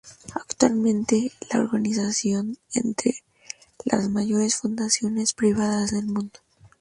Actualmente, la organización está entre las mayores fundaciones privadas del mundo.